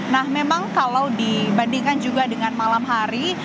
nah memang kalau dibandingkan juga dengan malam hari